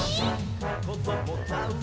「こどもザウルス